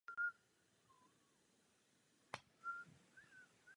O jeho životě není mnoho informací.